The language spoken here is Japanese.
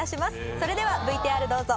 それではＶＴＲどうぞ。